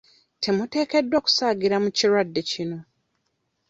Temuteekeddwa kusaagira mu kirwadde kino.